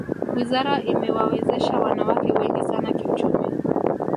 wizara imewawezesha wanawake wengi sana kiuchumi